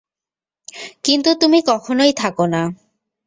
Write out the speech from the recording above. কিন্তু তুমি কখনোই থাকো না।